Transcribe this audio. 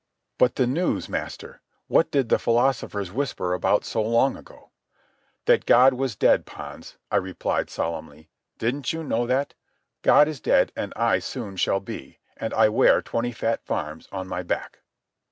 "But the news, master? What did the philosophers whisper about so long ago?" "That God was dead, Pons," I replied solemnly. "Didn't you know that? God is dead, and I soon shall be, and I wear twenty fat farms on my back."